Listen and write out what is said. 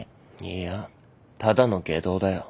いやただの外道だよ。